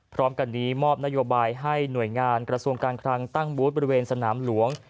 พร้อมกันนี้มอบนโยบายให้หน่วยงานกระทรวงการคลังตั้งบูธบริเวณสนามหลวง